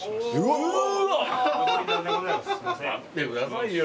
うわ待ってくださいよ